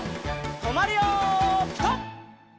とまるよピタ！